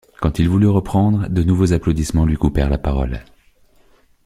Quand il voulut reprendre, de nouveaux applaudissements lui coupèrent la parole.